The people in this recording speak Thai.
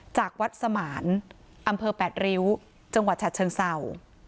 จากวัดสมานอำเภอแปดริ้วจังหวัดฉะเชิงเศร้า